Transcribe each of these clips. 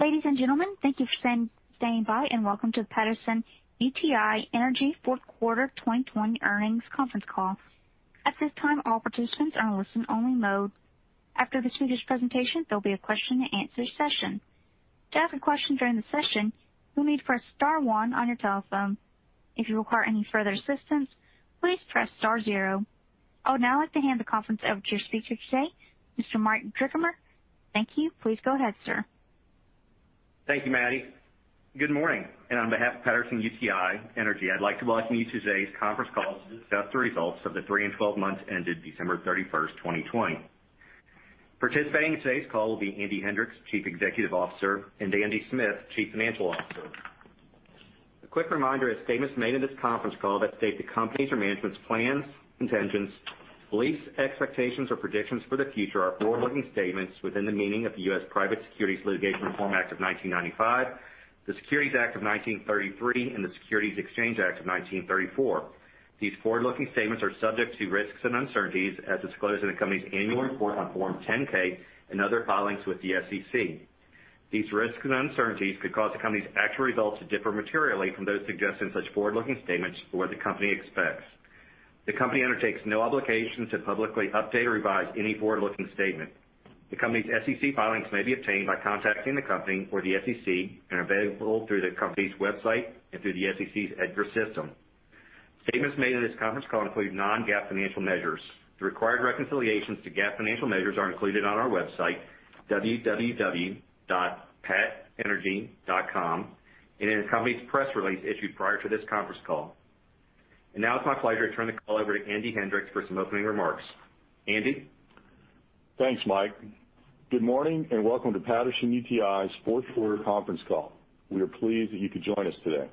Ladies and gentlemen, thank you for standing by, and welcome to the Patterson-UTI Energy fourth quarter 2020 earnings conference call. At this time all participants are in listen-only mode. After today's presentation, there will be a question-and-answer session. To ask a question during the session, you need to press star one on your telephone. If you require any further assistance, please press star zero. I would now like to hand the conference over to your speaker today, Mr. Mike Drickamer. Thank you. Please go ahead, sir. Thank you, Maddie. Good morning, and on behalf of Patterson-UTI Energy, I'd like to welcome you to today's conference call to discuss the results of the three and 12 months ended December 31st, 2020. Participating in today's call will be Andy Hendricks, Chief Executive Officer, and Andy Smith, Chief Financial Officer. A quick reminder of statements made in this conference call that state the company's or management's plans, intentions, beliefs, expectations, or predictions for the future are forward-looking statements within the meaning of the U.S. Private Securities Litigation Reform Act of 1995, the Securities Act of 1933, and the Securities Exchange Act of 1934. These forward-looking statements are subject to risks and uncertainties as disclosed in the company's annual report on Form 10-K and other filings with the SEC. These risks and uncertainties could cause the company's actual results to differ materially from those suggested in such forward-looking statements or what the company expects. The company undertakes no obligation to publicly update or revise any forward-looking statement. The company's SEC filings may be obtained by contacting the company or the SEC and are available through the company's website and through the SEC's EDGAR system. Statements made in this conference call include non-GAAP financial measures. The required reconciliations to GAAP financial measures are included on our website, www.patenergy.com, and in the company's press release issued prior to this conference call. Now it's my pleasure to turn the call over to Andy Hendricks for some opening remarks. Andy? Thanks, Mike. Good morning. Welcome to Patterson-UTI's fourth quarter conference call. We are pleased that you could join us today.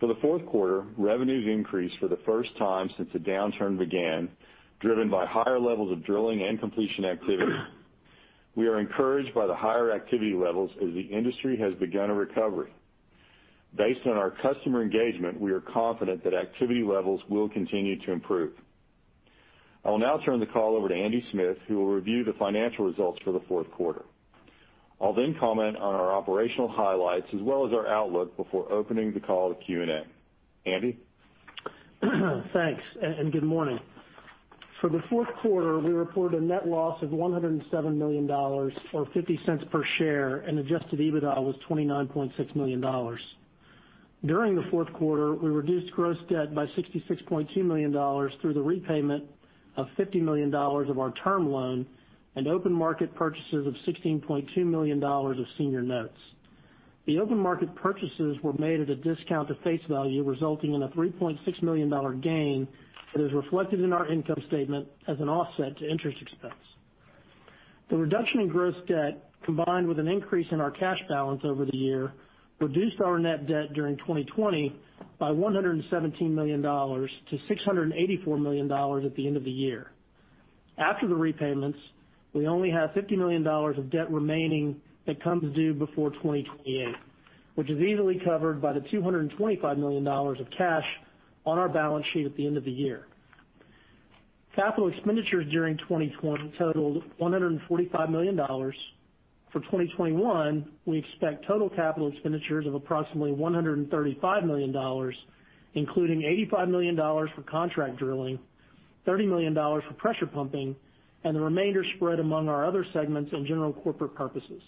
For the fourth quarter, revenues increased for the first time since the downturn began, driven by higher levels of drilling and completion activity. We are encouraged by the higher activity levels as the industry has begun a recovery. Based on our customer engagement, we are confident that activity levels will continue to improve. I will now turn the call over to Andy Smith, who will review the financial results for the fourth quarter. I'll comment on our operational highlights as well as our outlook before opening the call to Q&A. Andy? Thanks. Good morning. For the fourth quarter, we reported a net loss of $107 million, or $0.50 per share. Adjusted EBITDA was $29.6 million. During the fourth quarter, we reduced gross debt by $66.2 million through the repayment of $50 million of our term loan and open market purchases of $16.2 million of senior notes. The open market purchases were made at a discount to face value, resulting in a $3.6 million gain that is reflected in our income statement as an offset to interest expense. The reduction in gross debt, combined with an increase in our cash balance over the year, reduced our net debt during 2020 by $117 million to $684 million at the end of the year. After the repayments, we only have $50 million of debt remaining that comes due before 2028, which is easily covered by the $225 million of cash on our balance sheet at the end of the year. Capital expenditures during 2020 totaled $145 million. For 2021, we expect total capital expenditures of approximately $135 million, including $85 million for contract drilling, $30 million for pressure pumping, and the remainder spread among our other segments and general corporate purposes.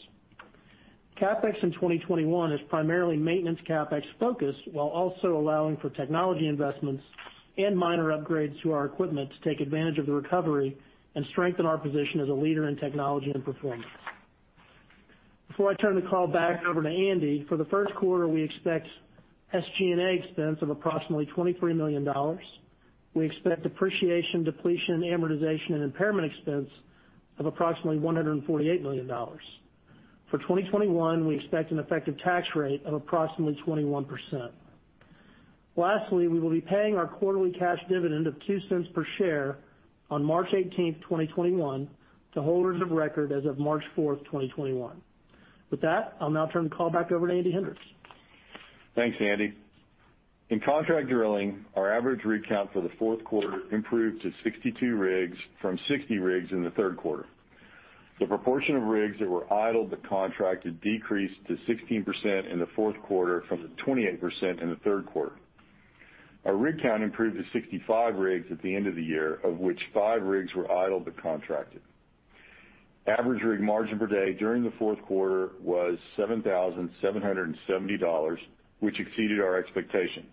CapEx in 2021 is primarily maintenance CapEx-focused while also allowing for technology investments and minor upgrades to our equipment to take advantage of the recovery and strengthen our position as a leader in technology and performance. Before I turn the call back over to Andy, for the first quarter, we expect SG&A expense of approximately $23 million. We expect depreciation, depletion, amortization, and impairment expense of approximately $148 million. For 2021, we expect an effective tax rate of approximately 21%. Lastly, we will be paying our quarterly cash dividend of $0.02 per share on March 18th, 2021, to holders of record as of March 4th, 2021. With that, I'll now turn the call back over to Andy Hendricks. Thanks, Andy. In contract drilling, our average rig count for the fourth quarter improved to 62 rigs from 60 rigs in the third quarter. The proportion of rigs that were idled but contracted decreased to 16% in the fourth quarter from 28% in the third quarter. Our rig count improved to 65 rigs at the end of the year, of which five rigs were idled but contracted. Average rig margin per day during the fourth quarter was $7,770, which exceeded our expectation.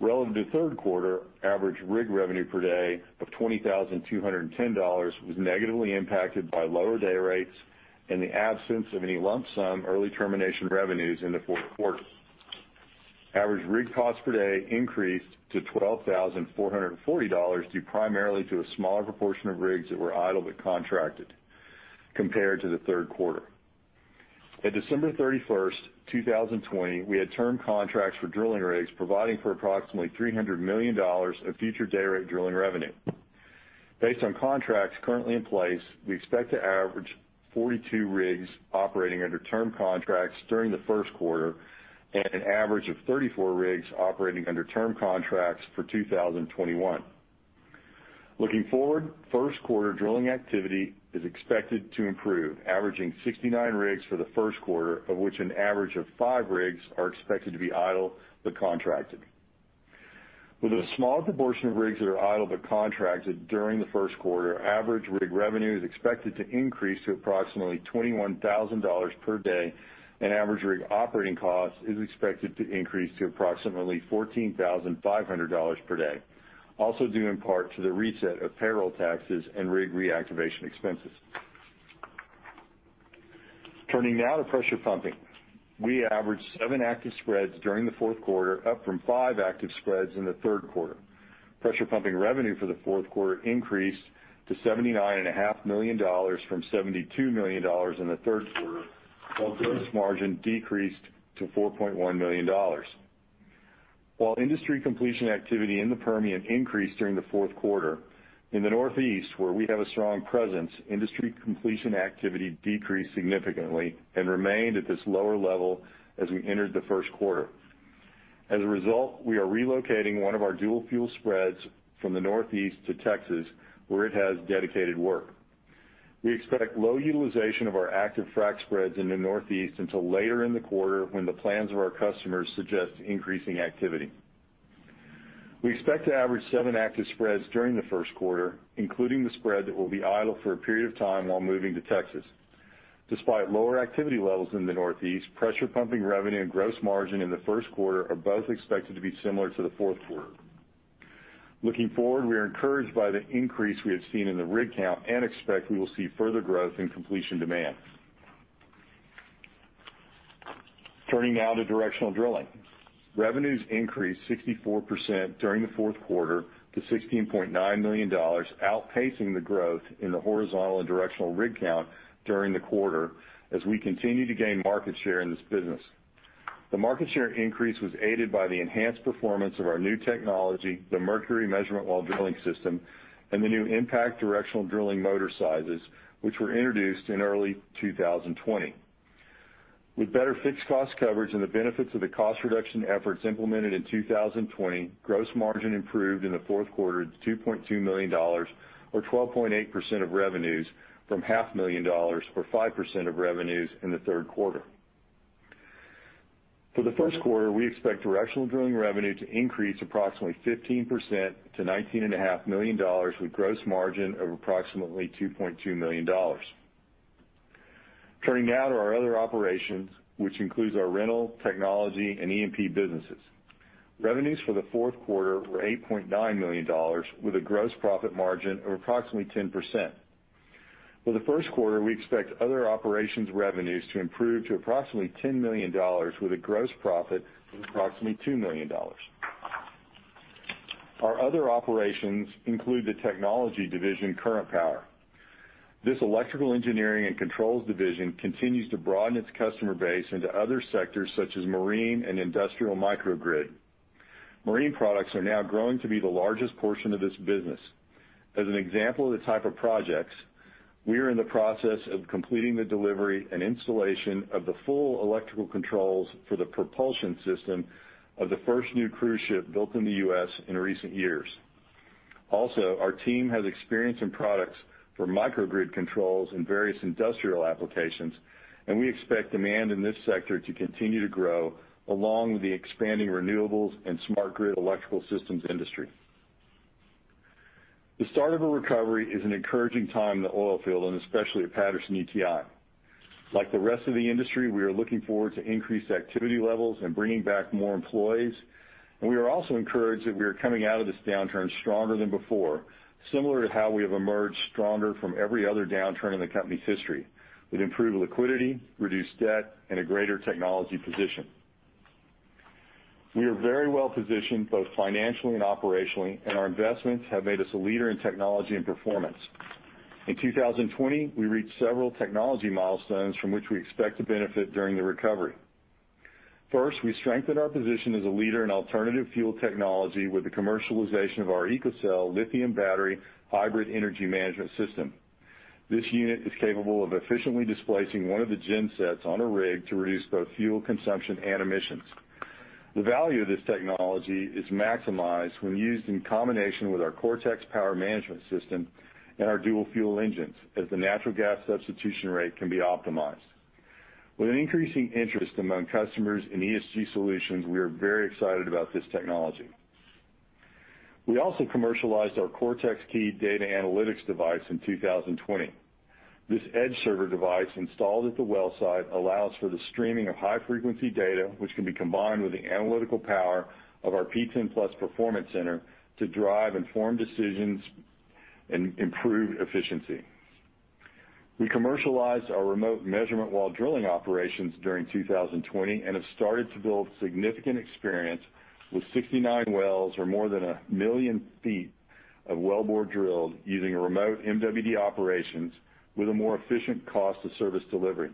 Relative to third quarter, average rig revenue per day of $20,210 was negatively impacted by lower day rates and the absence of any lump sum early termination revenues in the fourth quarter. Average rig cost per day increased to $12,440 due primarily to a smaller proportion of rigs that were idle but contracted compared to the third quarter. At December 31st, 2020, we had term contracts for drilling rigs providing for approximately $300 million of future day rate drilling revenue. Based on contracts currently in place, we expect to average 42 rigs operating under term contracts during the first quarter and an average of 34 rigs operating under term contracts for 2021. Looking forward, first quarter drilling activity is expected to improve, averaging 69 rigs for the first quarter, of which an average of five rigs are expected to be idle but contracted. With a smaller proportion of rigs that are idle but contracted during the first quarter, average rig revenue is expected to increase to approximately $21,000 per day, and average rig operating cost is expected to increase to approximately $14,500 per day, also due in part to the reset of payroll taxes and rig reactivation expenses. Turning now to pressure pumping. We averaged seven active spreads during the fourth quarter, up from five active spreads in the third quarter. Pressure pumping revenue for the fourth quarter increased to $79.5 million from $72 million in the third quarter, while gross margin decreased to $4.1 million. While industry completion activity in the Permian increased during the fourth quarter, in the Northeast, where we have a strong presence, industry completion activity decreased significantly and remained at this lower level as we entered the first quarter. As a result, we are relocating one of our dual fuel spreads from the Northeast to Texas, where it has dedicated work. We expect low utilization of our active frac spreads in the Northeast until later in the quarter, when the plans of our customers suggest increasing activity. We expect to average seven active spreads during the first quarter, including the spread that will be idle for a period of time while moving to Texas. Despite lower activity levels in the Northeast, pressure pumping revenue and gross margin in the first quarter are both expected to be similar to the fourth quarter. Looking forward, we are encouraged by the increase we have seen in the rig count and expect we will see further growth in completion demand. Turning now to directional drilling. Revenues increased 64% during the fourth quarter to $16.9 million, outpacing the growth in the horizontal and directional rig count during the quarter, as we continue to gain market share in this business. The market share increase was aided by the enhanced performance of our new technology, the Mercury Measurement While Drilling System, and the new Impact Directional Drilling motor sizes, which were introduced in early 2020. With better fixed cost coverage and the benefits of the cost reduction efforts implemented in 2020, gross margin improved in the fourth quarter to $2.2 million, or 12.8% of revenues, from $500,000, or 5% of revenues, in the third quarter. For the first quarter, we expect directional drilling revenue to increase approximately 15% to $19.5 million, with gross margin of approximately $2.2 million. Turning now to our other operations, which includes our rental, technology, and E&P businesses. Revenues for the fourth quarter were $8.9 million, with a gross profit margin of approximately 10%. For the first quarter, we expect other operations revenues to improve to approximately $10 million, with a gross profit of approximately $2 million. Our other operations include the technology division, Current Power. This electrical engineering and controls division continues to broaden its customer base into other sectors, such as marine and industrial microgrid. Marine products are now growing to be the largest portion of this business. As an example of the type of projects, we are in the process of completing the delivery and installation of the full electrical controls for the propulsion system of the first new cruise ship built in the U.S. in recent years. Our team has experience in products for microgrid controls in various industrial applications, and we expect demand in this sector to continue to grow along the expanding renewables and smart grid electrical systems industry. The start of a recovery is an encouraging time in the oil field, and especially at Patterson-UTI. Like the rest of the industry, we are looking forward to increased activity levels and bringing back more employees, and we are also encouraged that we are coming out of this downturn stronger than before, similar to how we have emerged stronger from every other downturn in the company's history, with improved liquidity, reduced debt, and a greater technology position. We are very well positioned, both financially and operationally, and our investments have made us a leader in technology and performance. In 2020, we reached several technology milestones from which we expect to benefit during the recovery. First, we strengthened our position as a leader in alternative fuel technology with the commercialization of our EcoCell lithium battery hybrid energy management system. This unit is capable of efficiently displacing one of the gen sets on a rig to reduce both fuel consumption and emissions. The value of this technology is maximized when used in combination with our CORTEX power management system and our dual fuel engines, as the natural gas substitution rate can be optimized. With an increasing interest among customers in ESG solutions, we are very excited about this technology. We also commercialized our CORTEX Key data analytics device in 2020. This edge server device, installed at the well site, allows for the streaming of high-frequency data, which can be combined with the analytical power of our PTEN+ Performance Center to drive informed decisions and improve efficiency. We commercialized our remote measurement while drilling operations during 2020 and have started to build significant experience with 69 wells or more than one million feet of well bore drilled using remote MWD operations with a more efficient cost of service delivery.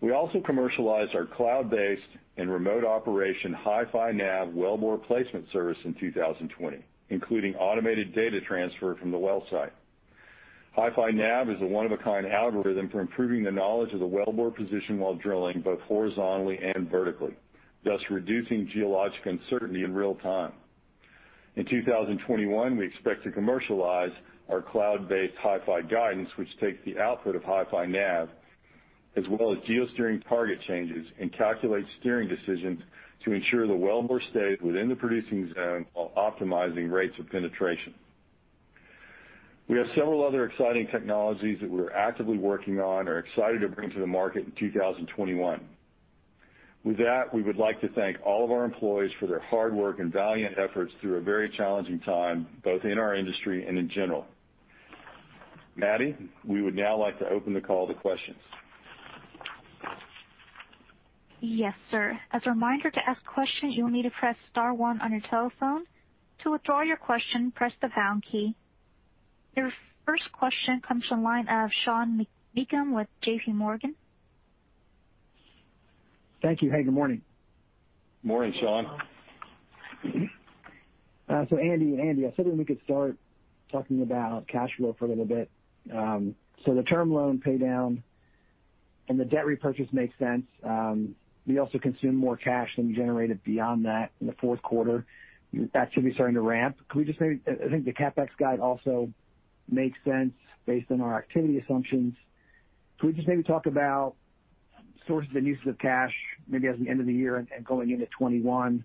We also commercialized our cloud-based and remote operation HiFi Nav well bore placement service in 2020, including automated data transfer from the well site. HiFi Nav is a one-of-a-kind algorithm for improving the knowledge of the well bore position while drilling both horizontally and vertically, thus reducing geological uncertainty in real time. In 2021, we expect to commercialize our cloud-based HiFi Guidance, which takes the output of HiFi Nav, as well as geo-steering target changes, and calculates steering decisions to ensure the well bore stays within the producing zone while optimizing rates of penetration. We have several other exciting technologies that we're actively working on, are excited to bring to the market in 2021. With that, we would like to thank all of our employees for their hard work and valiant efforts through a very challenging time, both in our industry and in general. Maddie, we would now like to open the call to questions. Yes, sir. As a reminder, to ask questions, you will need to press star one on your telephone. To withdraw your question, press the pound key. Your first question comes from the line of Sean Meakim with JPMorgan. Thank you. Hey, good morning. Morning, Sean. Andy, I was hoping we could start talking about cash flow for a little bit. The term loan pay down and the debt repurchase makes sense. We also consume more cash than we generated beyond that in the fourth quarter. That should be starting to ramp. I think the CapEx guide also makes sense based on our activity assumptions. Could we just maybe talk about sources and uses of cash, maybe as of the end of the year and going into 2021.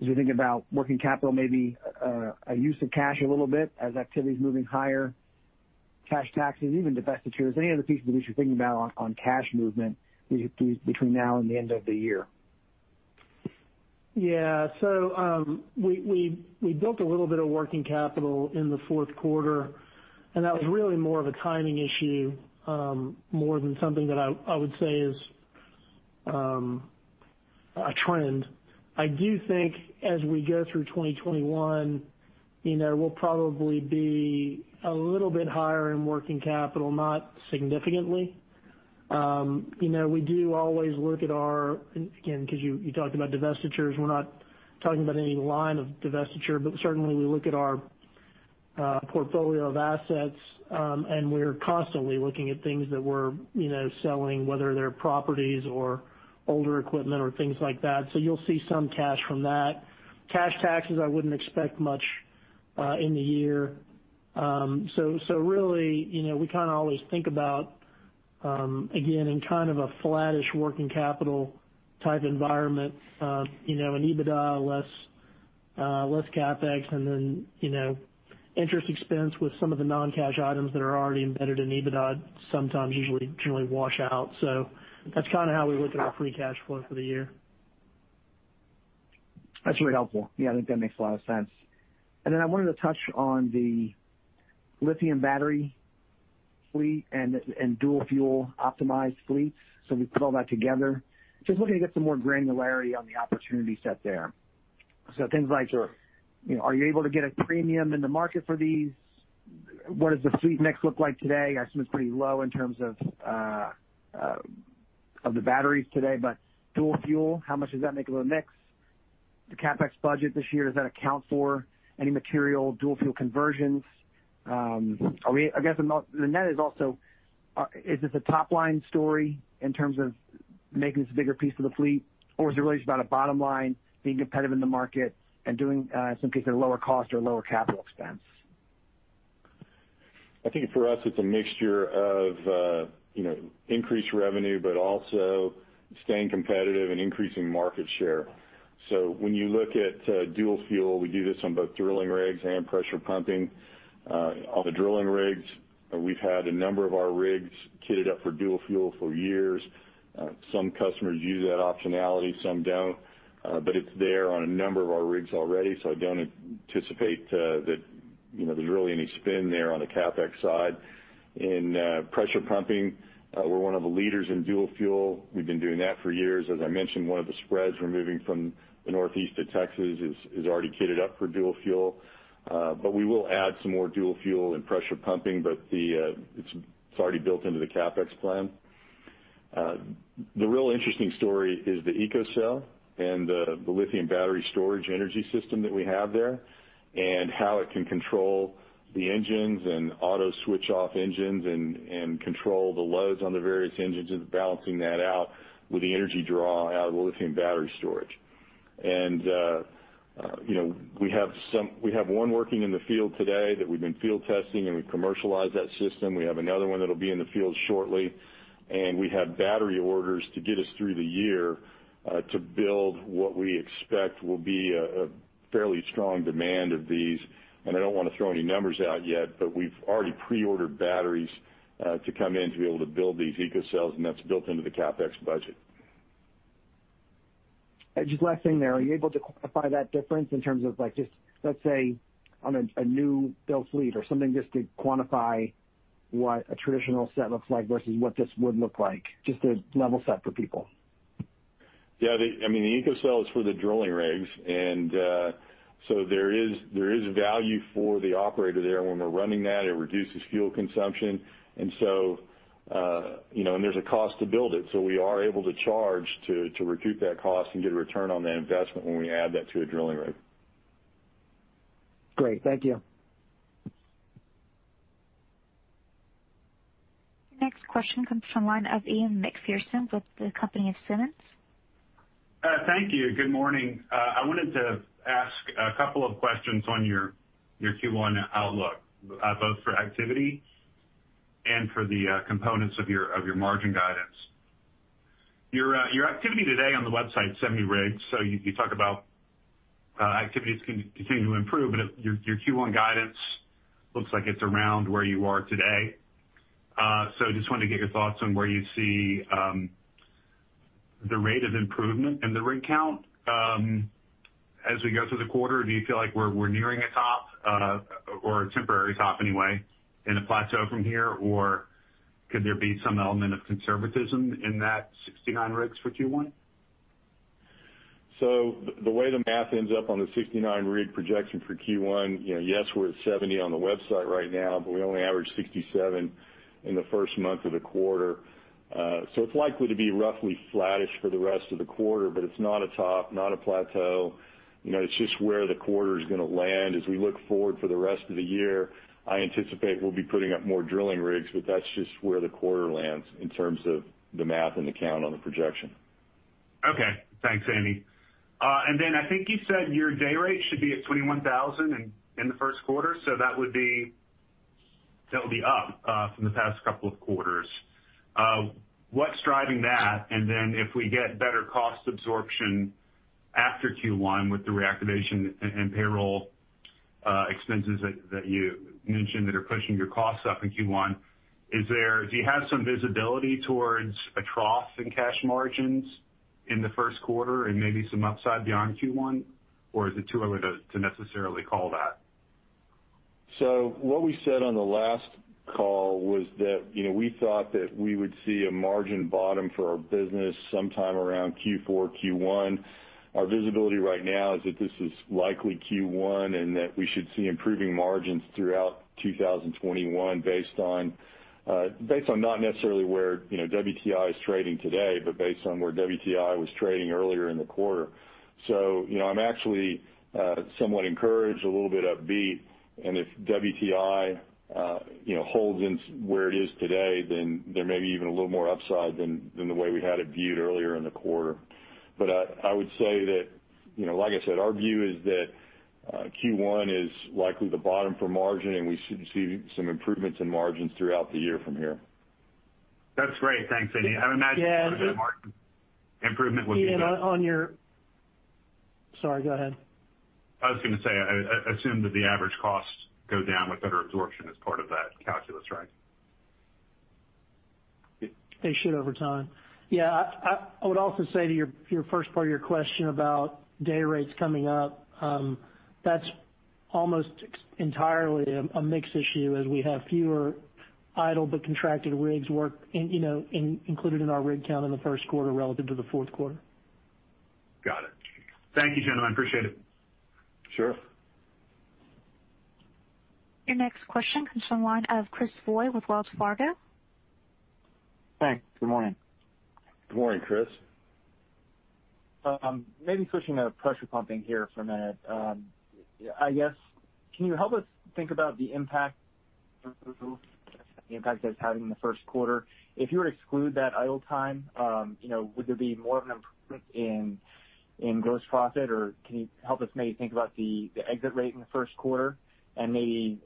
As we think about working capital, maybe a use of cash a little bit as activity's moving higher, cash taxes, even divestitures. Any other pieces that we should think about on cash movement between now and the end of the year? Yeah. We built a little bit of working capital in the fourth quarter, and that was really more of a timing issue, more than something that I would say is a trend. I do think as we go through 2021, we'll probably be a little bit higher in working capital, not significantly. We do always look at our again, because you talked about divestitures, we're not talking about any line of divestiture. Certainly, we look at our portfolio of assets, and we're constantly looking at things that we're selling, whether they're properties or older equipment or things like that. You'll see some cash from that. Cash taxes, I wouldn't expect much in the year. Really, we kind of always think about, again, in kind of a flattish working capital type environment, an EBITDA, less CapEx, and then interest expense with some of the non-cash items that are already embedded in EBITDA sometimes usually wash out. That's kind of how we look at our free cash flow for the year. That's really helpful. Yeah, I think that makes a lot of sense. I wanted to touch on the lithium battery fleet and dual-fuel optimized fleets, so we put all that together. Just looking to get some more granularity on the opportunity set there. Things like. Sure are you able to get a premium in the market for these? What does the fleet mix look like today? I assume it's pretty low in terms of the batteries today. Dual fuel, how much does that make of the mix? The CapEx budget this year, does that account for any material dual fuel conversions? I guess the net is also, is this a top-line story in terms of making this a bigger piece of the fleet? Or is it really just about a bottom line being competitive in the market and doing, in some cases, lower cost or lower capital expense? I think for us, it's a mixture of increased revenue, but also staying competitive and increasing market share. When you look at dual fuel, we do this on both drilling rigs and pressure pumping. On the drilling rigs, we've had a number of our rigs kitted up for dual fuel for years. Some customers use that optionality, some don't. It's there on a number of our rigs already, so I don't anticipate that there's really any spin there on the CapEx side. In pressure pumping, we're one of the leaders in dual fuel. We've been doing that for years. As I mentioned, one of the spreads we're moving from the Northeast to Texas is already kitted up for dual fuel. We will add some more dual fuel and pressure pumping, but it's already built into the CapEx plan. The real interesting story is the EcoCell and the lithium battery storage energy system that we have there, and how it can control the engines, and auto switch off engines, and control the loads on the various engines, and balancing that out with the energy draw out of the lithium battery storage. We have one working in the field today that we've been field testing, and we commercialized that system. We have another one that'll be in the field shortly. We have battery orders to get us through the year to build what we expect will be a fairly strong demand of these. I don't want to throw any numbers out yet, but we've already pre-ordered batteries to come in to be able to build these EcoCells, and that's built into the CapEx budget. Just last thing there, are you able to quantify that difference in terms of just, let's say, on a new built fleet or something just to quantify what a traditional set looks like versus what this would look like, just to level set for people? Yeah. The EcoCell is for the drilling rigs. There is value for the operator there. When we're running that, it reduces fuel consumption. There's a cost to build it. We are able to charge to recoup that cost and get a return on that investment when we add that to a drilling rig. Great. Thank you. This question comes from the line of Ian Macpherson with the company of Simmons. Thank you. Good morning. I wanted to ask a couple of questions on your Q1 outlook, both for activity and for the components of your margin guidance. Your activity today on the website is 70 rigs. You talk about activities continuing to improve, but your Q1 guidance looks like it's around where you are today. Just wanted to get your thoughts on where you see the rate of improvement in the rig count. As we go through the quarter, do you feel like we're nearing a top, or a temporary top anyway, and a plateau from here? Could there be some element of conservatism in that 69 rigs for Q1? The way the math ends up on the 69 rig projection for Q1, yes, we're at 70 on the website right now, but we only averaged 67 in the first month of the quarter. It's likely to be roughly flattish for the rest of the quarter, but it's not a top, not a plateau. It's just where the quarter's going to land. As we look forward for the rest of the year, I anticipate we'll be putting up more drilling rigs, but that's just where the quarter lands in terms of the math and the count on the projection. Okay. Thanks, Andy. I think you said your day rate should be at $21,000 in the first quarter, so that would be up from the past couple of quarters. What's driving that? If we get better cost absorption after Q1 with the reactivation and payroll expenses that you mentioned that are pushing your costs up in Q1, do you have some visibility towards a trough in cash margins in the first quarter and maybe some upside beyond Q1, or is it too early to necessarily call that? What we said on the last call was that we thought that we would see a margin bottom for our business sometime around Q4, Q1. Our visibility right now is that this is likely Q1, and that we should see improving margins throughout 2021 based on not necessarily where WTI is trading today, but based on where WTI was trading earlier in the quarter. I'm actually somewhat encouraged, a little bit upbeat, and if WTI holds where it is today, then there may be even a little more upside than the way we had it viewed earlier in the quarter. I would say that, like I said, our view is that Q1 is likely the bottom for margin, and we should see some improvements in margins throughout the year from here. That's great. Thanks, Andy. Yeah, Ian. improvement would be good. Ian, Sorry, go ahead. I was going to say, I assume that the average costs go down with better absorption as part of that calculus, right? They should over time. Yeah. I would also say to your first part of your question about day rates coming up, that is almost entirely a mix issue as we have fewer idle but contracted rigs included in our rig count in the first quarter relative to the fourth quarter. Got it. Thank you, gentlemen. I appreciate it. Sure. Your next question comes from the line of Chris Voie with Wells Fargo. Thanks. Good morning. Good morning, Chris. Maybe switching to pressure pumping here for a minute. I guess, can you help us think about the impact that's having in the first quarter? If you were to exclude that idle time, would there be more of an improvement in gross profit, or can you help us maybe think about the exit rate in the first quarter and maybe,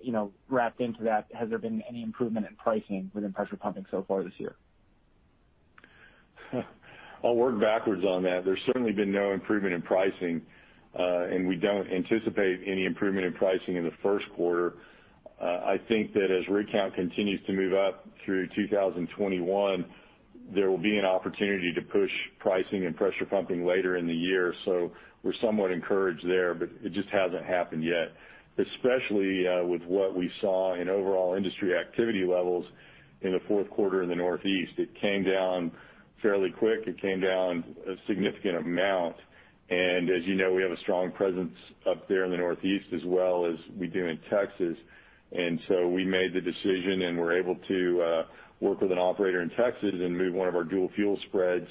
wrapped into that, has there been any improvement in pricing within pressure pumping so far this year? I'll work backwards on that. There's certainly been no improvement in pricing, and we don't anticipate any improvement in pricing in the first quarter. I think that as rig count continues to move up through 2021, there will be an opportunity to push pricing and pressure pumping later in the year. We're somewhat encouraged there, but it just hasn't happened yet, especially with what we saw in overall industry activity levels in the fourth quarter in the Northeast. It came down fairly quick. It came down a significant amount. As you know, we have a strong presence up there in the Northeast as well as we do in Texas, and so we made the decision and were able to work with an operator in Texas and move one of our dual fuel spreads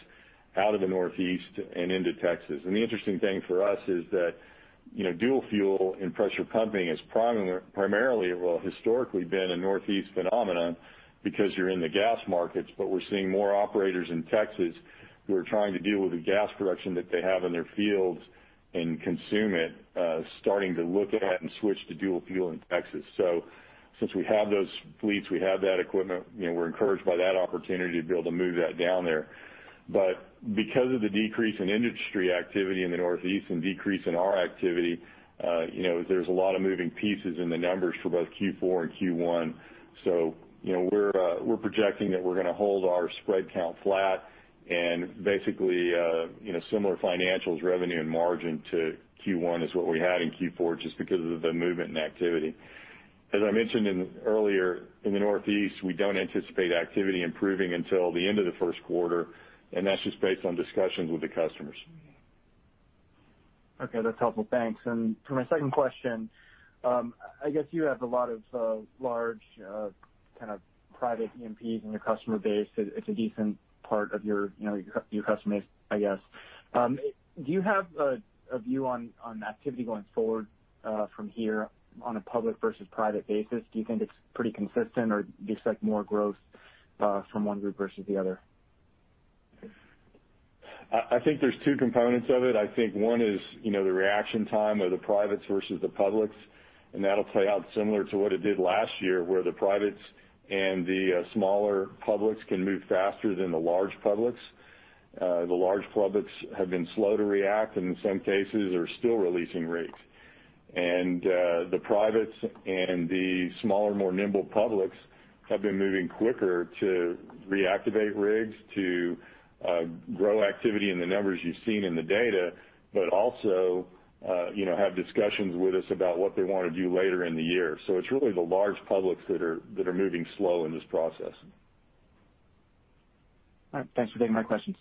out of the Northeast and into Texas. The interesting thing for us is that dual fuel and pressure pumping has primarily, well, historically been a Northeast phenomenon because you're in the gas markets. We're seeing more operators in Texas who are trying to deal with the gas production that they have in their fields and consume it, starting to look at and switch to dual fuel in Texas. Since we have those fleets, we have that equipment, we're encouraged by that opportunity to be able to move that down there. Because of the decrease in industry activity in the Northeast and decrease in our activity, there's a lot of moving pieces in the numbers for both Q4 and Q1. We're projecting that we're going to hold our spread count flat and basically similar financials revenue and margin to Q1 as what we had in Q4, just because of the movement in activity. As I mentioned earlier, in the Northeast, we don't anticipate activity improving until the end of the first quarter, and that's just based on discussions with the customers. Okay, that's helpful. Thanks. For my second question, I guess you have a lot of large kind of private E&Ps in your customer base. It's a decent part of your customer base, I guess. Do you have a view on activity going forward from here on a public versus private basis? Do you think it's pretty consistent, or do you expect more growth from one group versus the other? I think there's two components of it. I think one is the reaction time of the privates versus the publics, that'll play out similar to what it did last year, where the privates and the smaller publics can move faster than the large publics. The large publics have been slow to react, in some cases are still releasing rigs. The privates and the smaller, more nimble publics have been moving quicker to reactivate rigs, to grow activity in the numbers you've seen in the data, but also have discussions with us about what they want to do later in the year. It's really the large publics that are moving slow in this process. All right. Thanks for taking my questions.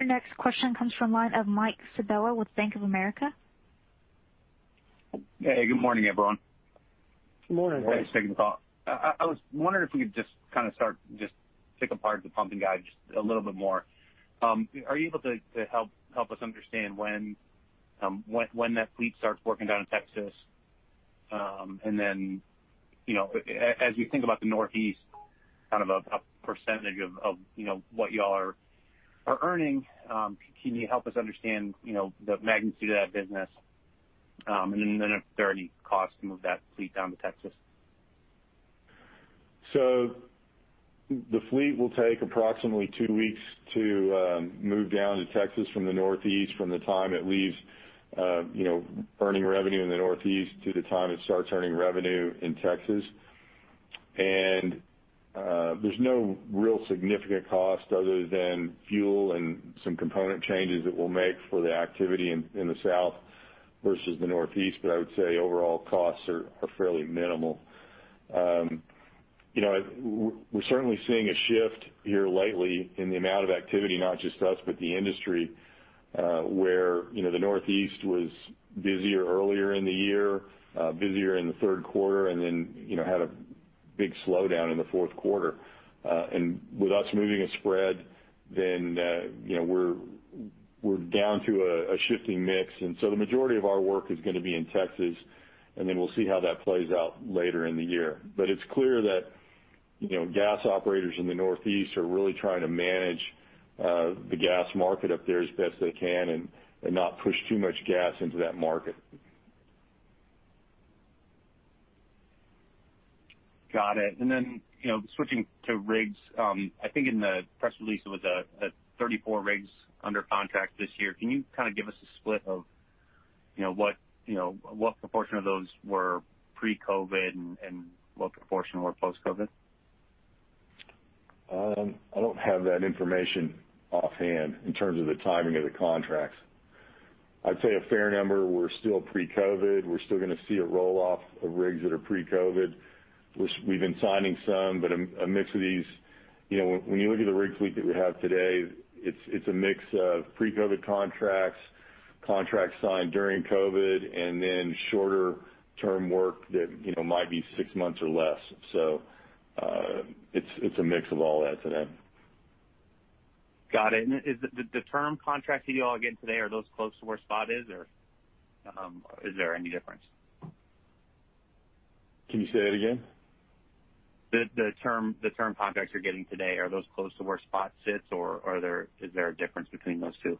Your next question comes from the line of Mike Sabella with Bank of America. Hey, good morning, everyone. Good morning. Thanks for taking the call. I was wondering if we could just kind of start just pick apart the pumping guide just a little bit more. Are you able to help us understand when that fleet starts working down in Texas? As we think about the Northeast, kind of a percentage of what you all are earning, can you help us understand the magnitude of that business? If there are any costs to move that fleet down to Texas. The fleet will take approximately two weeks to move down to Texas from the Northeast, from the time it leaves earning revenue in the Northeast to the time it starts earning revenue in Texas. There's no real significant cost other than fuel and some component changes that we'll make for the activity in the South versus the Northeast. I would say overall costs are fairly minimal. We're certainly seeing a shift here lately in the amount of activity, not just us, but the industry, where the Northeast was busier earlier in the year, busier in the third quarter, and then had a big slowdown in the fourth quarter. With us moving a spread, then we're down to a shifting mix. The majority of our work is going to be in Texas, and then we'll see how that plays out later in the year. It's clear that gas operators in the Northeast are really trying to manage the gas market up there as best they can and not push too much gas into that market. Got it. Switching to rigs, I think in the press release it was at 34 rigs under contract this year. Can you kind of give us a split of what proportion of those were pre-COVID and what proportion were post-COVID? I don't have that information offhand in terms of the timing of the contracts. I'd say a fair number were still pre-COVID. We're still going to see a roll-off of rigs that are pre-COVID, which we've been signing some, but a mix of these. When you look at the rig fleet that we have today, it's a mix of pre-COVID contracts signed during COVID, and then shorter-term work that might be six months or less. It's a mix of all that today. Got it. The term contracts that you all are getting today, are those close to where spot is, or is there any difference? Can you say that again? The term contracts you're getting today, are those close to where spot sits, or is there a difference between those two?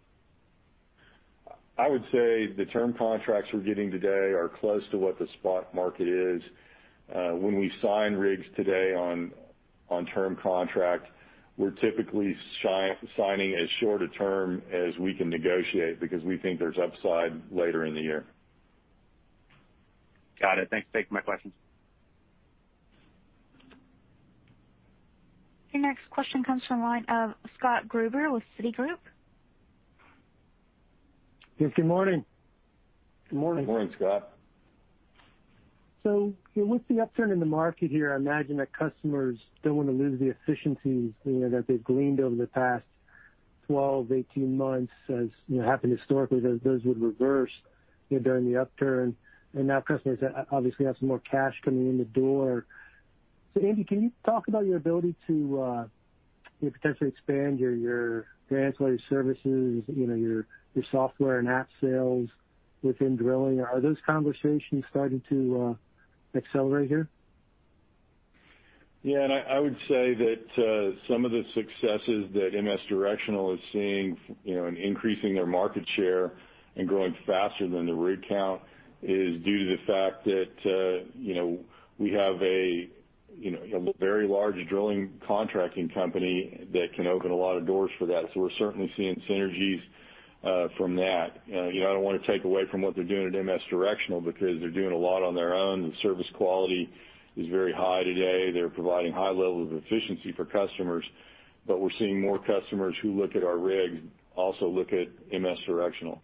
I would say the term contracts we are getting today are close to what the spot market is. When we sign rigs today on term contract, we are typically signing as short a term as we can negotiate because we think there is upside later in the year. Got it. Thanks for taking my questions. Your next question comes from the line of Scott Gruber with Citigroup. Yes, good morning. Good morning. Good morning, Scott. With the upturn in the market here, I imagine that customers don't want to lose the efficiencies that they've gleaned over the past 12, 18 months, as happened historically, those would reverse during the upturn. Now customers obviously have some more cash coming in the door. Andy, can you talk about your ability to potentially expand your ancillary services, your software and app sales within drilling? Are those conversations starting to accelerate here? Yeah, I would say that some of the successes that MS Directional is seeing in increasing their market share and growing faster than the rig count is due to the fact that we have a very large drilling contracting company that can open a lot of doors for that. We're certainly seeing synergies from that. I don't want to take away from what they're doing at MS Directional because they're doing a lot on their own. The service quality is very high today. They're providing high levels of efficiency for customers. We're seeing more customers who look at our rigs also look at MS Directional.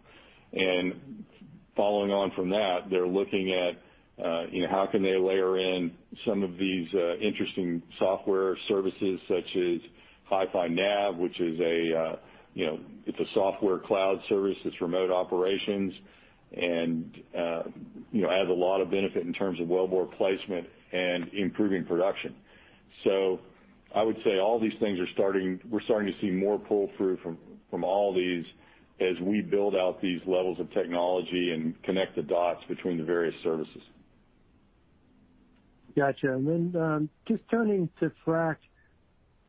Following on from that, they're looking at how can they layer in some of these interesting software services such as HiFi Nav, which is a software cloud service that's remote operations and adds a lot of benefit in terms of well bore placement and improving production. I would say We're starting to see more pull through from all these as we build out these levels of technology and connect the dots between the various services. Got you. Just turning to frac,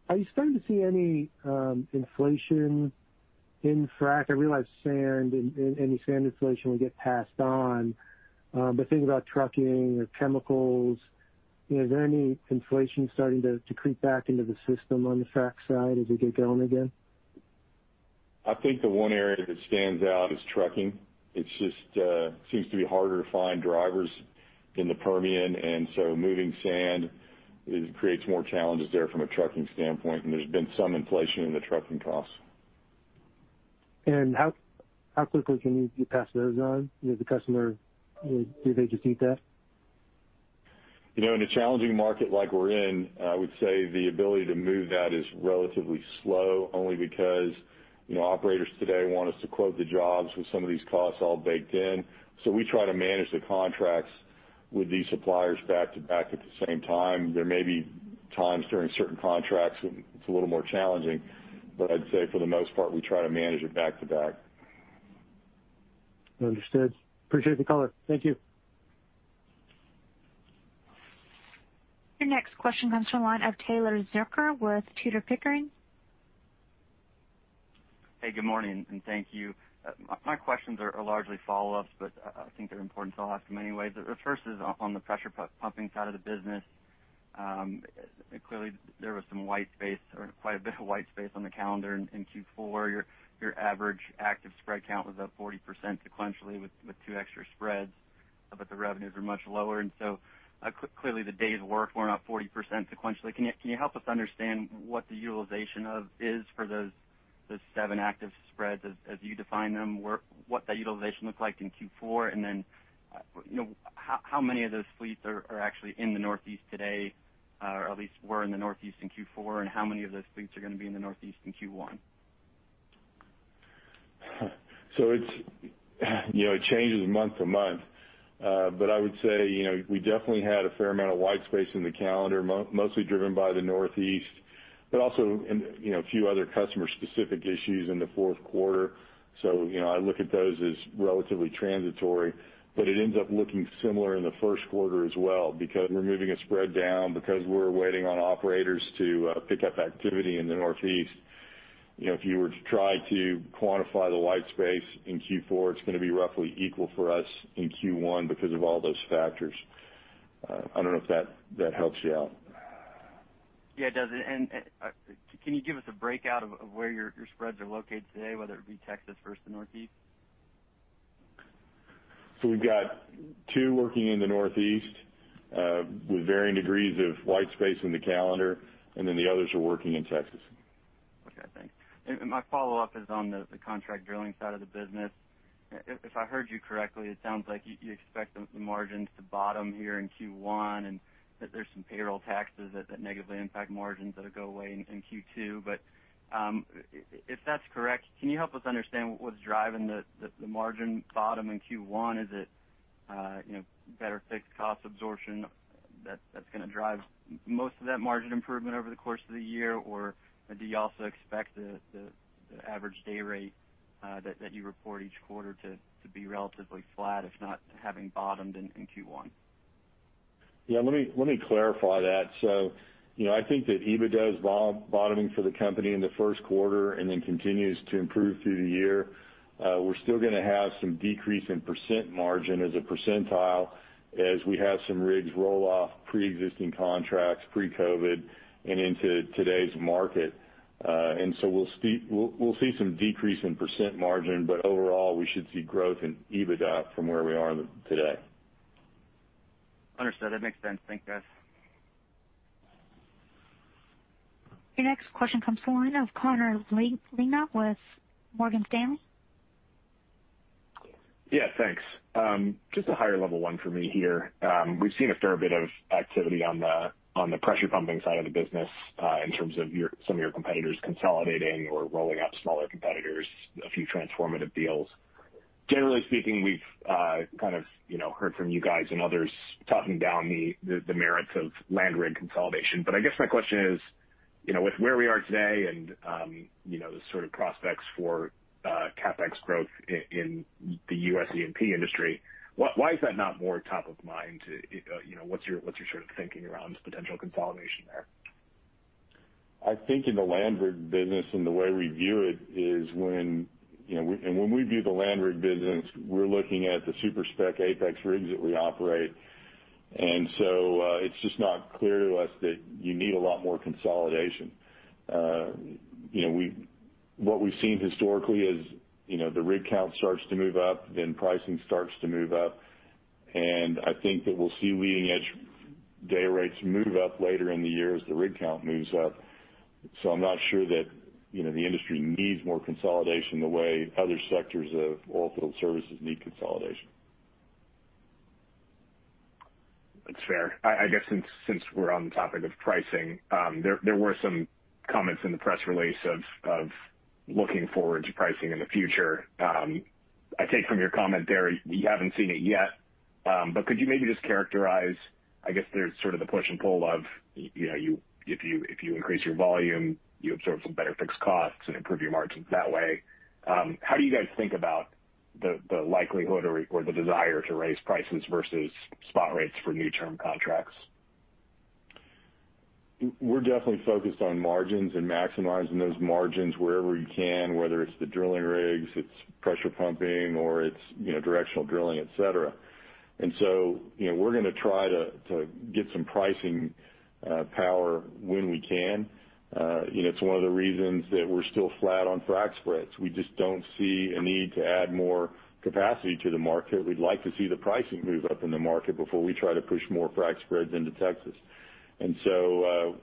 are you starting to see any inflation in frac? I realize any sand inflation will get passed on, but think about trucking or chemicals. Is there any inflation starting to creep back into the system on the frac side as we get going again? I think the one area that stands out is trucking. It just seems to be harder to find drivers in the Permian. So moving sand, it creates more challenges there from a trucking standpoint. There's been some inflation in the trucking costs. How quickly can you pass those on? The customer, do they just eat that? In a challenging market like we're in, I would say the ability to move that is relatively slow only because operators today want us to quote the jobs with some of these costs all baked in. We try to manage the contracts with these suppliers back-to-back at the same time. There may be times during certain contracts when it's a little more challenging, but I'd say for the most part, we try to manage it back-to-back. Understood. Appreciate the color. Thank you. Your next question comes from the line of Taylor Zurcher with Tudor Pickering. Hey, good morning, and thank you. My questions are largely follow-ups, but I think they're important, so I'll ask them anyway. The first is on the pressure pumping side of the business. Clearly, there was some white space or quite a bit of white space on the calendar in Q4. Your average active spread count was up 40% sequentially with two extra spreads, but the revenues are much lower. Clearly the days worked were not 40% sequentially. Can you help us understand what the utilization of is for those seven active spreads as you define them, what that utilization looked like in Q4? How many of those fleets are actually in the Northeast today, or at least were in the Northeast in Q4, and how many of those fleets are going to be in the Northeast in Q1? It changes month to month. I would say, we definitely had a fair amount of white space in the calendar, mostly driven by the Northeast, but also a few other customer-specific issues in the fourth quarter. I look at those as relatively transitory, but it ends up looking similar in the first quarter as well because we're moving a spread down, because we're waiting on operators to pick up activity in the Northeast. If you were to try to quantify the white space in Q4, it's going to be roughly equal for us in Q1 because of all those factors. I don't know if that helps you out. Yeah, it does. Can you give us a breakout of where your spreads are located today, whether it be Texas versus the Northeast? We've got two working in the Northeast with varying degrees of white space in the calendar, and then the others are working in Texas. Okay, thanks. My follow-up is on the contract drilling side of the business. If I heard you correctly, it sounds like you expect the margins to bottom here in Q1 and that there's some payroll taxes that negatively impact margins that'll go away in Q2. If that's correct, can you help us understand what's driving the margin bottom in Q1? Is it better fixed cost absorption that's going to drive most of that margin improvement over the course of the year, or do you also expect the average day rate that you report each quarter to be relatively flat, if not having bottomed in Q1? Yeah, let me clarify that. I think that EBITDA is bottoming for the company in the first quarter and then continues to improve through the year. We're still going to have some decrease in percent margin as a percentile as we have some rigs roll off preexisting contracts, pre-COVID and into today's market. We'll see some decrease in percent margin, but overall, we should see growth in EBITDA from where we are today. Understood. That makes sense. Thanks, guys. Your next question comes from the line of Connor Lynagh with Morgan Stanley. Yeah, thanks. Just a higher level one for me here. We've seen a fair bit of activity on the pressure pumping side of the business, in terms of some of your competitors consolidating or rolling up smaller competitors, a few transformative deals. Generally speaking, we've kind of heard from you guys and others talking down the merits of land rig consolidation. I guess my question is, with where we are today and the sort of prospects for CapEx growth in the U.S. E&P industry, why is that not more top of mind? What's your sort of thinking around potential consolidation there? I think in the land rig business and the way we view it is when we view the land rig business, we're looking at the super spec APEX rigs that we operate. It's just not clear to us that you need a lot more consolidation. What we've seen historically is the rig count starts to move up, then pricing starts to move up. I think that we'll see leading-edge day rates move up later in the year as the rig count moves up. I'm not sure that the industry needs more consolidation the way other sectors of oilfield services need consolidation. That's fair. I guess since we're on the topic of pricing, there were some comments in the press release of looking forward to pricing in the future. I take from your comment there, you haven't seen it yet. Could you maybe just characterize. I guess there's sort of the push and pull of, if you increase your volume, you absorb some better fixed costs and improve your margins that way. How do you guys think about the likelihood or the desire to raise prices versus spot rates for new term contracts? We're definitely focused on margins and maximizing those margins wherever we can, whether it's the drilling rigs, it's pressure pumping, or it's directional drilling, et cetera. We're going to try to get some pricing power when we can. It's one of the reasons that we're still flat on frac spreads. We just don't see a need to add more capacity to the market. We'd like to see the pricing move up in the market before we try to push more frac spreads into Texas.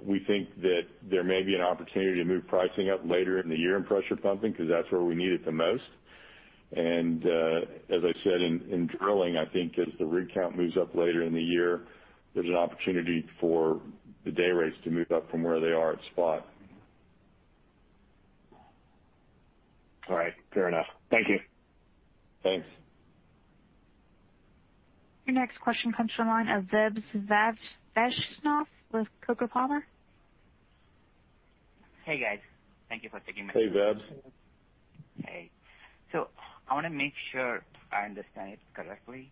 We think that there may be an opportunity to move pricing up later in the year in pressure pumping, because that's where we need it the most. As I said, in drilling, I think as the rig count moves up later in the year, there's an opportunity for the day rates to move up from where they are at spot. All right. Fair enough. Thank you. Thanks. Your next question comes from the line of Vebs Vaishnav with Coker Palmer. Hey, guys. Thank you for taking my call. Hey, Vebs. Hey. I want to make sure I understand it correctly.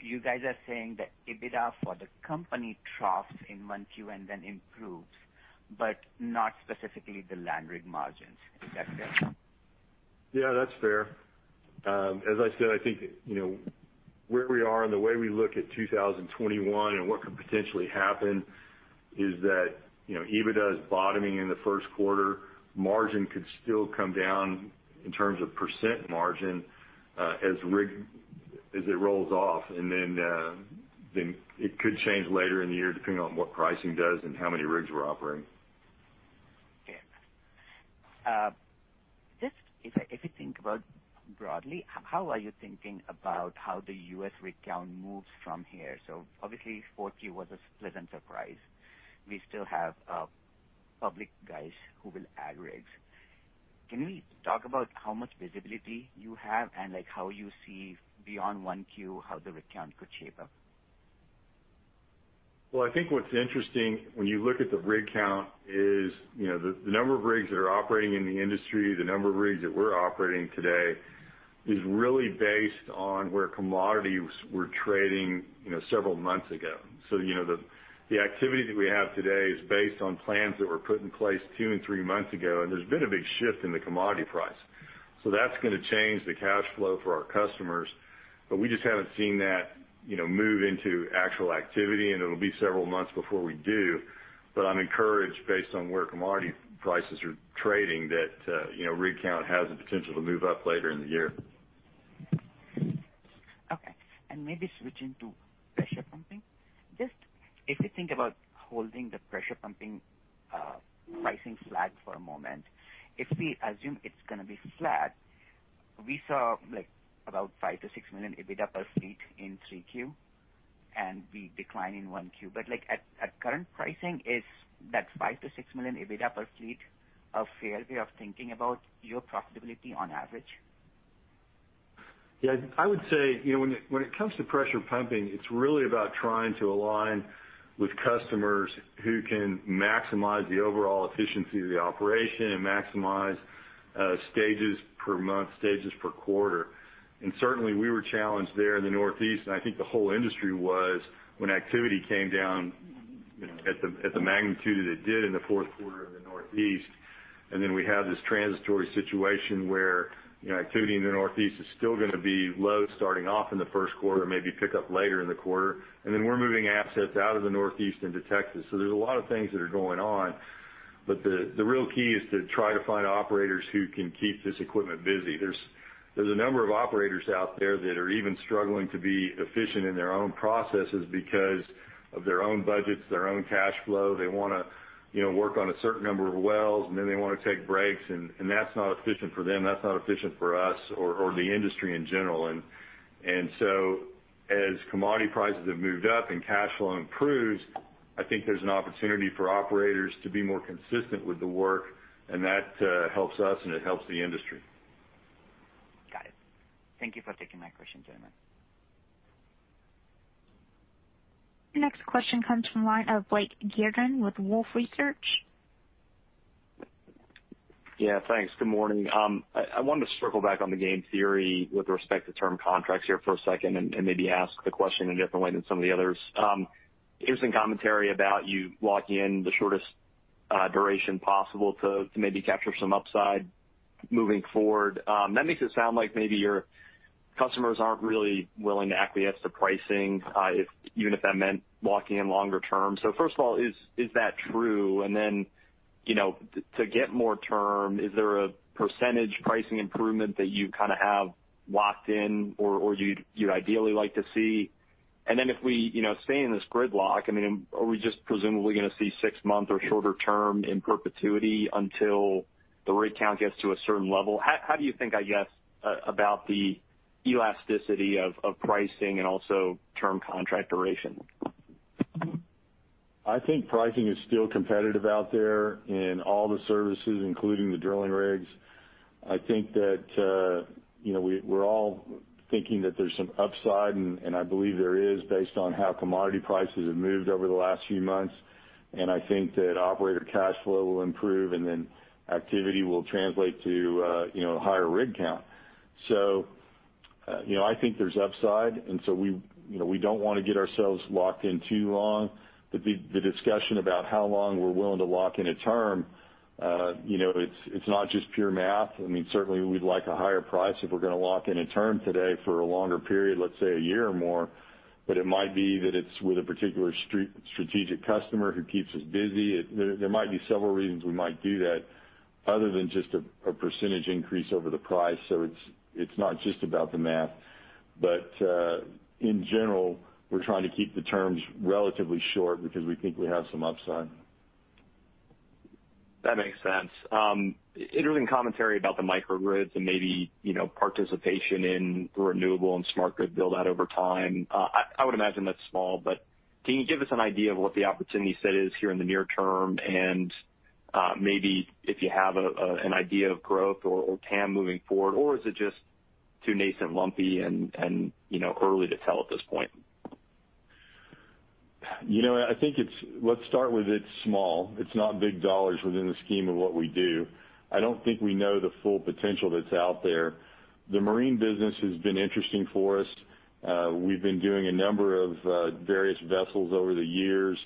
You guys are saying that EBITDA for the company troughs in 1Q and then improves, but not specifically the land rig margins. Is that fair? Yeah, that's fair. As I said, I think where we are and the way we look at 2021 and what could potentially happen is that EBITDA is bottoming in the first quarter. Margin could still come down in terms of percent margin, as it rolls off. It could change later in the year, depending on what pricing does and how many rigs we're operating. Okay. If you think about broadly, how are you thinking about how the U.S. rig count moves from here? Obviously 4Q was a pleasant surprise. We still have public guys who will add rigs. Can you talk about how much visibility you have and how you see beyond 1Q, how the rig count could shape up? Well, I think what's interesting when you look at the rig count is the number of rigs that are operating in the industry, the number of rigs that we're operating today is really based on where commodities were trading several months ago. The activity that we have today is based on plans that were put in place two and three months ago, and there's been a big shift in the commodity price. That's going to change the cash flow for our customers, but we just haven't seen that move into actual activity, and it'll be several months before we do. I'm encouraged based on where commodity prices are trading, that rig count has the potential to move up later in the year. Okay. Maybe switching to pressure pumping. Just if you think about holding the pressure pumping pricing flat for a moment, if we assume it's going to be flat, we saw about $5 million-$6 million EBITDA per fleet in 3Q, and we decline in 1Q. At current pricing, is that $5 million-$6 million EBITDA per fleet a fair way of thinking about your profitability on average? Yeah, I would say, when it comes to pressure pumping, it's really about trying to align with customers who can maximize the overall efficiency of the operation and maximize stages per month, stages per quarter. Certainly, we were challenged there in the Northeast, and I think the whole industry was when activity came down at the magnitude that it did in the fourth quarter in the Northeast. Then we have this transitory situation where activity in the Northeast is still going to be low starting off in the first quarter, maybe pick up later in the quarter, and then we're moving assets out of the Northeast into Texas. There's a lot of things that are going on, but the real key is to try to find operators who can keep this equipment busy. There's a number of operators out there that are even struggling to be efficient in their own processes because of their own budgets, their own cash flow. They want to work on a certain number of wells, and then they want to take breaks, and that's not efficient for them, that's not efficient for us or the industry in general. As commodity prices have moved up and cash flow improves, I think there's an opportunity for operators to be more consistent with the work, and that helps us and it helps the industry. Got it. Thank you for taking my question, gentlemen. Your next question comes from the line of Blake Gendron with Wolfe Research. Yeah, thanks. Good morning. I wanted to circle back on the game theory with respect to term contracts here for a second and maybe ask the question in a different way than some of the others. Interesting commentary about you locking in the shortest duration possible to maybe capture some upside moving forward. That makes it sound like maybe your customers aren't really willing to acquiesce to pricing, even if that meant locking in longer term. First of all, is that true? To get more term, is there a percentage pricing improvement that you kind of have locked in or you'd ideally like to see? If we stay in this gridlock, are we just presumably going to see six months or shorter term in perpetuity until the rig count gets to a certain level? How do you think, I guess, about the elasticity of pricing and also term contract duration? I think pricing is still competitive out there in all the services, including the drilling rigs. I think that we're all thinking that there's some upside, and I believe there is based on how commodity prices have moved over the last few months. I think that operator cash flow will improve and then activity will translate to higher rig count. I think there's upside, and so we don't want to get ourselves locked in too long. The discussion about how long we're willing to lock in a term, it's not just pure math. Certainly, we'd like a higher price if we're going to lock in a term today for a longer period, let's say a year or more. It might be that it's with a particular strategic customer who keeps us busy. There might be several reasons we might do that other than just a percentage increase over the price. It's not just about the math, in general, we're trying to keep the terms relatively short because we think we have some upside. That makes sense. Interesting commentary about the microgrids and maybe participation in renewable and smart grid build-out over time. I would imagine that's small, but can you give us an idea of what the opportunity set is here in the near term and maybe if you have an idea of growth or TAM moving forward? Or is it just too nascent, lumpy, and early to tell at this point? Let's start with it's small. It's not big dollars within the scheme of what we do. I don't think we know the full potential that's out there. The marine business has been interesting for us. We've been doing a number of various vessels over the years,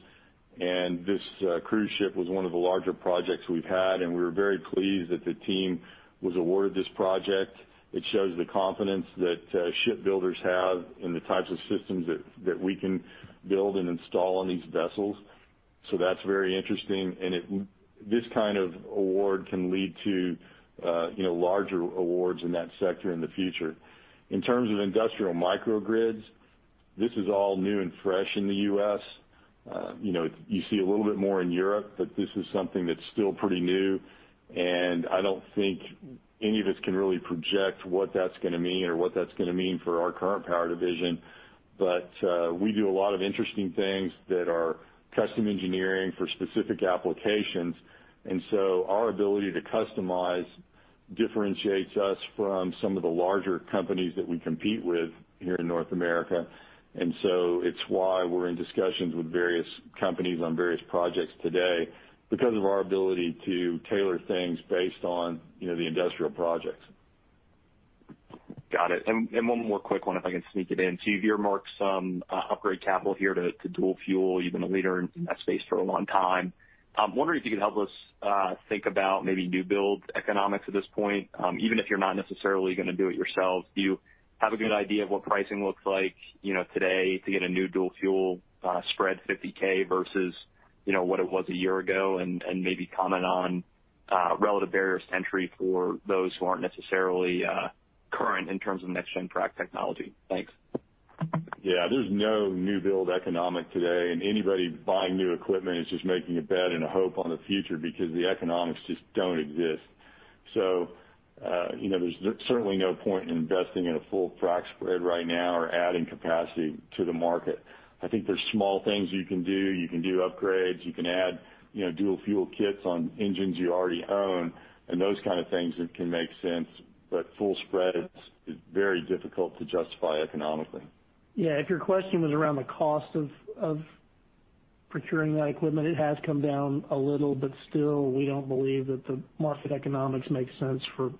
and this cruise ship was one of the larger projects we've had, and we were very pleased that the team was awarded this project. It shows the confidence that shipbuilders have in the types of systems that we can build and install on these vessels. That's very interesting, and this kind of award can lead to larger awards in that sector in the future. In terms of industrial microgrids, this is all new and fresh in the U.S. You see a little bit more in Europe, but this is something that's still pretty new, and I don't think any of us can really project what that's going to mean or what that's going to mean for our Current Power division. We do a lot of interesting things that are custom engineering for specific applications, and so our ability to customize differentiates us from some of the larger companies that we compete with here in North America. It's why we're in discussions with various companies on various projects today because of our ability to tailor things based on the industrial projects. Got it. One more quick one if I can sneak it in. You've earmarked some upgrade capital here to dual fuel. You've been a leader in that space for a long time. I'm wondering if you could help us think about maybe new build economics at this point, even if you're not necessarily going to do it yourselves. Do you have a good idea of what pricing looks like today to get a new dual fuel spread 50K versus what it was a year ago? Maybe comment on relative barriers to entry for those who aren't necessarily current in terms of next-gen frac technology. Thanks. Yeah. There's no new build economic today, and anybody buying new equipment is just making a bet and a hope on the future because the economics just don't exist. There's certainly no point in investing in a full frac spread right now or adding capacity to the market. I think there's small things you can do. You can do upgrades, you can add dual fuel kits on engines you already own, and those kind of things can make sense. Full spreads is very difficult to justify economically. Yeah. If your question was around the cost of procuring that equipment, it has come down a little, but still, we don't believe that the market economics make sense for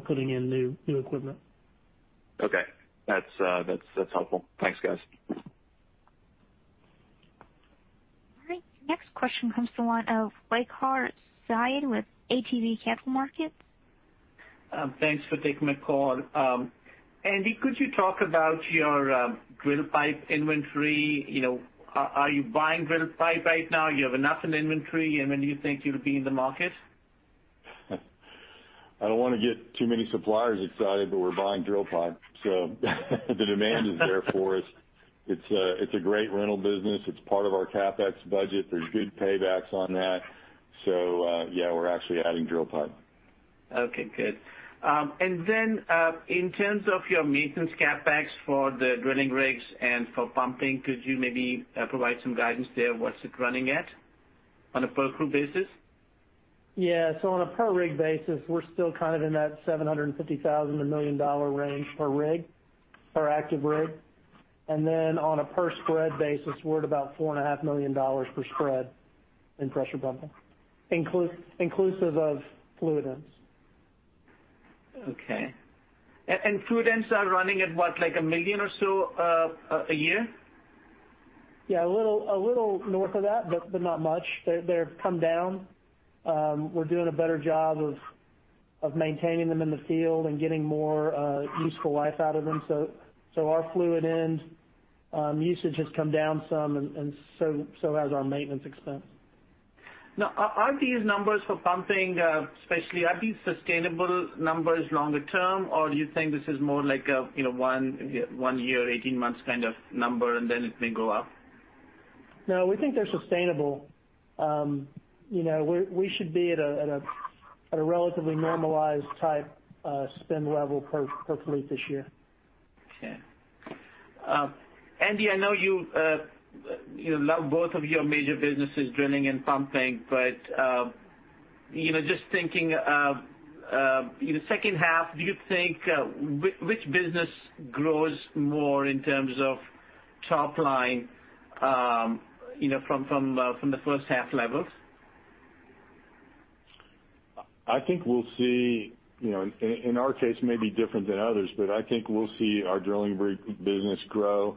putting in new equipment. Okay. That's helpful. Thanks, guys. All right. Next question comes from the line of Waqar Syed with ATB Capital Markets. Thanks for taking my call. Andy, could you talk about your drill pipe inventory? Are you buying drill pipe right now? Do you have enough in inventory? When do you think you'll be in the market? I don't want to get too many suppliers excited, we're buying drill pipe. The demand is there for us. It's a great rental business. It's part of our CapEx budget. There's good paybacks on that. Yeah, we're actually adding drill pipe. Okay, good. In terms of your maintenance CapEx for the drilling rigs and for pumping, could you maybe provide some guidance there? What's it running at on a per crew basis? Yeah. On a per rig basis, we're still kind of in that $750,000-$1 million range per active rig. Then on a per spread basis, we're at about $4.5 million per spread in pressure pumping, inclusive of fluid ends. Okay. Fluid ends are running at what, like $1 million or so a year? Yeah, a little north of that, not much. They've come down. We're doing a better job of maintaining them in the field and getting more useful life out of them. Our fluid end usage has come down some and so has our maintenance expense. Are these numbers for pumping, especially, are these sustainable numbers longer term, or do you think this is more like a one year, 18 months kind of number and then it may go up? No, we think they're sustainable. We should be at a relatively normalized type spend level per fleet this year. Okay. Andy, I know you love both of your major businesses, drilling and pumping, just thinking, in the second half, do you think, which business grows more in terms of top line from the first half levels? I think we'll see, in our case, maybe different than others, but I think we'll see our drilling rig business grow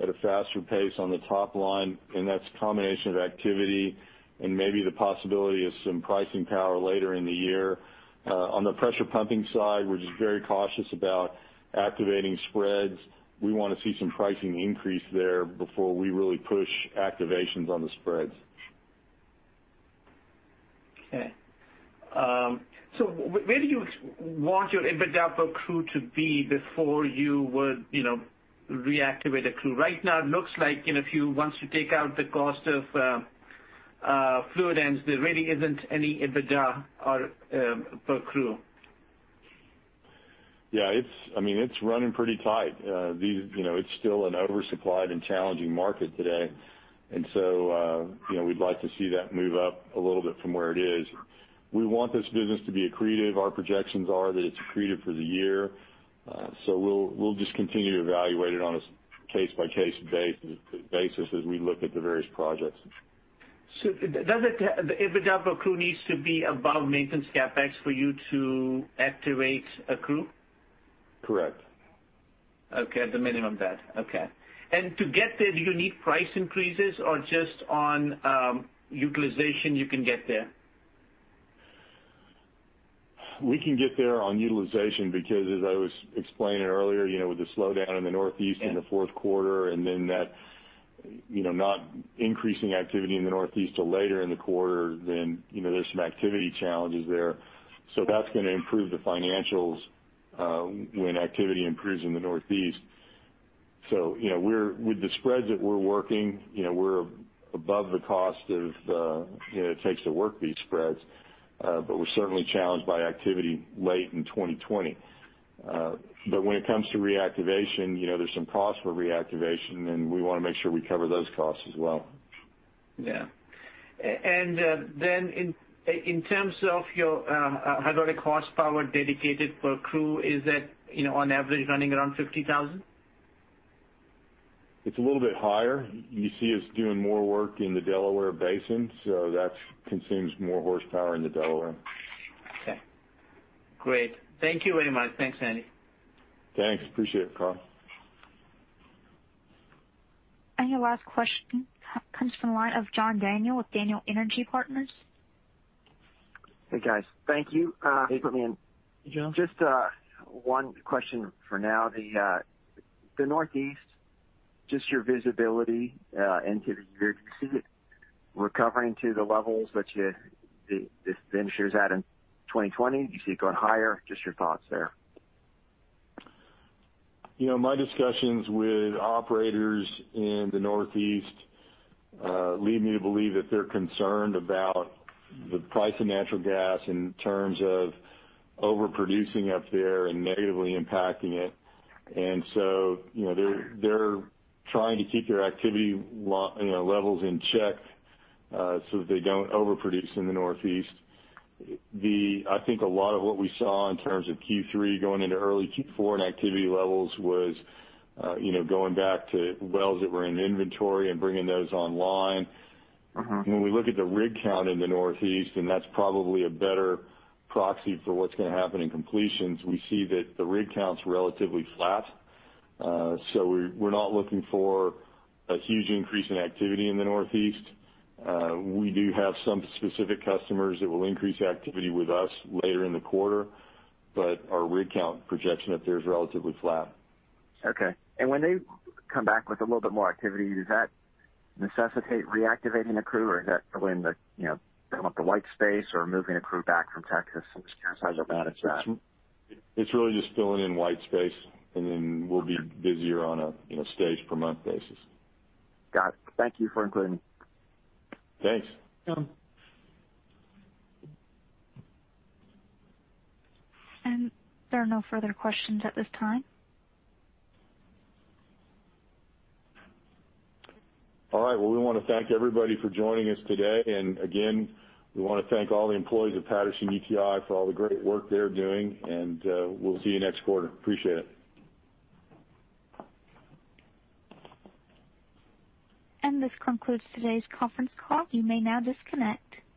at a faster pace on the top line, and that's a combination of activity and maybe the possibility of some pricing power later in the year. On the pressure pumping side, we're just very cautious about activating spreads. We want to see some pricing increase there before we really push activations on the spreads. Okay. Where do you want your EBITDA per crew to be before you would reactivate a crew? Right now it looks like, once you take out the cost of fluid ends, there really isn't any EBITDA per crew. Yeah. It's running pretty tight. It's still an oversupplied and challenging market today. We'd like to see that move up a little bit from where it is. We want this business to be accretive. Our projections are that it's accretive for the year. We'll just continue to evaluate it on a case-by-case basis as we look at the various projects. Does the EBITDA per crew needs to be above maintenance CapEx for you to activate a crew? Correct. Okay. At the minimum that. Okay. To get there, do you need price increases or just on utilization you can get there? We can get there on utilization because as I was explaining earlier, with the slowdown in the Northeast- Yeah in the fourth quarter, and then that not increasing activity in the Northeast till later in the quarter, then there's some activity challenges there. That's going to improve the financials, when activity improves in the Northeast. With the spreads that we're working, we're above the cost it takes to work these spreads. We're certainly challenged by activity late in 2020. When it comes to reactivation, there's some costs for reactivation, and we want to make sure we cover those costs as well. Yeah. In terms of your hydraulic horsepower dedicated per crew, is that on average running around 50,000? It's a little bit higher. You see us doing more work in the Delaware basin, that consumes more horsepower in the Delaware. Okay. Great. Thank you very much. Thanks, Andy. Thanks. Appreciate it, Waqar. Your last question comes from the line of John Daniel with Daniel Energy Partners. Hey, guys. Thank you for putting me in. Hey, John. Just one question for now. The Northeast, just your visibility into the year, do you see it recovering to the levels that the finishes at in 2020? Do you see it going higher, just your thoughts there? My discussions with operators in the Northeast lead me to believe that they're concerned about the price of natural gas in terms of overproducing up there and negatively impacting it. They're trying to keep their activity levels in check, so that they don't overproduce in the Northeast. I think a lot of what we saw in terms of Q3 going into early Q4 in activity levels was going back to wells that were in inventory and bringing those online. When we look at the rig count in the Northeast, and that's probably a better proxy for what's going to happen in completions, we see that the rig count's relatively flat. We're not looking for a huge increase in activity in the Northeast. We do have some specific customers that will increase activity with us later in the quarter, but our rig count projection up there is relatively flat. Okay. When they come back with a little bit more activity, does that necessitate reactivating a crew, or is that filling the white space, or moving a crew back from Texas? I am just curious how you look at that. It's really just filling in white space, and then we'll be busier on a stage per month basis. Got it. Thank you for including me. Thanks. There are no further questions at this time. All right. Well, we want to thank everybody for joining us today. Again, we want to thank all the employees of Patterson-UTI for all the great work they're doing and we'll see you next quarter. Appreciate it. This concludes today's conference call. You may now disconnect.